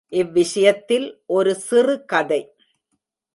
இவ்விஷயத்தில் ஒரு சிறு கதை.